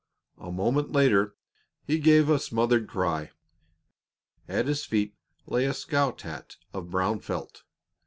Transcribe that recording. A moment later he gave a smothered cry. At his feet lay a scout hat of brown felt.